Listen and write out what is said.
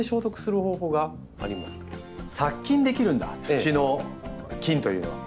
土の菌というのは。